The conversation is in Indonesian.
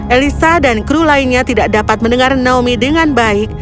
elisa dan kru lainnya tidak dapat mendengar naomi dengan baik